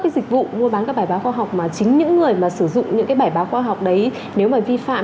cái dịch vụ mua bán các bài báo khoa học mà chính những người mà sử dụng những cái bài báo khoa học đấy nếu mà vi phạm